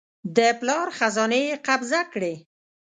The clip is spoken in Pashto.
د پلار خزانې یې قبضه کړې.